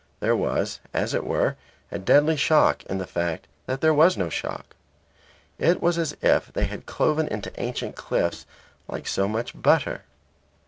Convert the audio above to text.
There was, as it were, a deadly shock in the fact that there was no shock. It was as if they had cloven into ancient cliffs like so much butter.